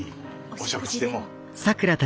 お食事でも。